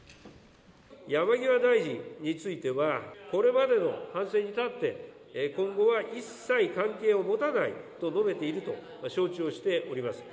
山際大臣については、これまでの反省に立って、今後は一切関係を持たないと述べていると承知をしております。